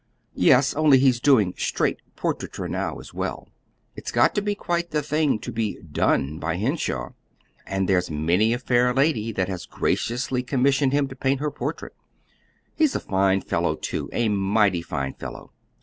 "Yes; only he's doing straight portraiture now as well. It's got to be quite the thing to be 'done' by Henshaw; and there's many a fair lady that has graciously commissioned him to paint her portrait. He's a fine fellow, too a mighty fine fellow.